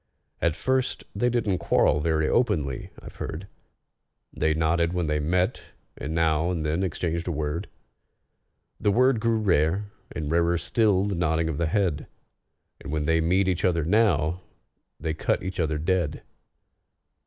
At first they didn't quarrel very openly, I've heard; They nodded when they met, and now and then exchanged a word: The word grew rare, and rarer still the nodding of the head, And when they meet each other now, they cut each other dead.